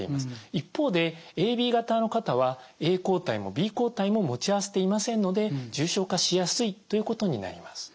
一方でＡＢ型の方はＡ抗体もＢ抗体も持ち合わせていませんので重症化しやすいということになります。